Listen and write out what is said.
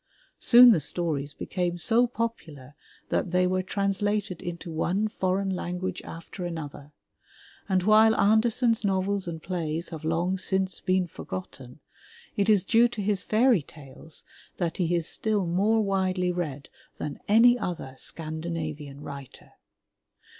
Soon the stories became so popular that they were translated into one foreign language after another, and while Andersen's novels and plays have long since been forgotten, it is due to his fairy tales that he is still more widely read than any other Scandinavian writer.